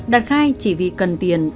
đạt khai chỉ vì cần tiền